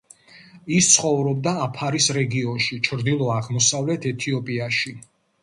ის ცხოვრობდა აფარის რეგიონში ჩრდილო აღმოსავლეთ ეთიოპიაში.